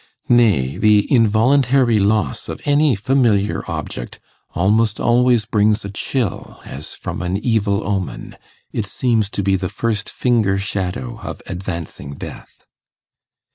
Nay, the involuntary loss of any familiar object almost always brings a chill as from an evil omen; it seems to be the first finger shadow of advancing death.